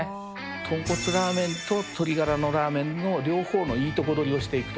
豚骨ラーメンと鶏ガラのラーメンの両方のいいとこ取りをしていくと。